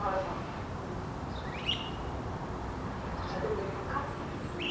お茶でもいれようか？